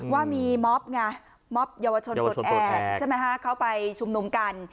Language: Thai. ว่ามีม็อบไงม็อบเยาวชนปลดแอบใช่ไหมคะเขาไปชุมนุมกัน